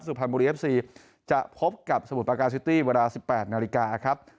สุพรรณบุรีเอฟซีจะพบกับสมุทรปาการซิตี้เวลา๑๘นาฬิกาครับ